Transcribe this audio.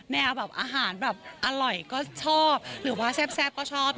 แนวแบบอาหารแบบอร่อยก็ชอบหรือว่าแซ่บก็ชอบ